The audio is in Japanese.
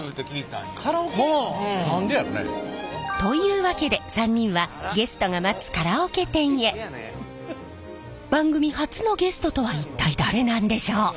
何でやろね？というわけで３人は番組初のゲストとは一体誰なんでしょう？